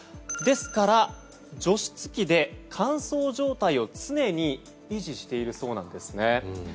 ですから、除湿器で乾燥状態を常に維持しているそうなんです。